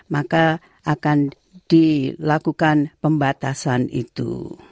maka akan dilakukan pembatasan itu